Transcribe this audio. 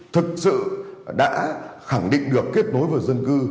thực sự đã khẳng định được kết nối với dân cư